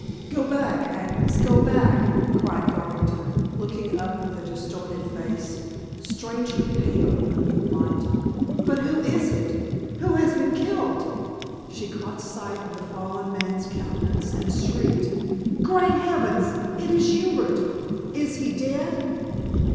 "Go back, Agnes, go back," cried Garvington, looking up with a distorted face, strangely pale in the moonlight. "But who is it? who has been killed?" She caught sight of the fallen man's countenance and shrieked. "Great heavens! it is Hubert; is he dead?"